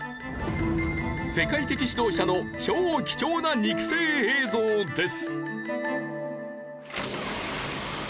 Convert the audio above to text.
世界的指導者の超貴重な肉声映像です。